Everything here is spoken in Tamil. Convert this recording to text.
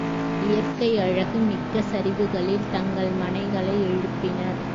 இயற்கையழகு மிக்க சரிவுகளில் தங்கள் மனைகளை எழுப்பினர்.